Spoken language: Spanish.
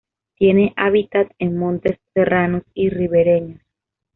Tiene hábitat en montes serranos y ribereños.